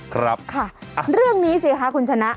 ครับค่ะเรื่องนี้สิคะคุณชนะ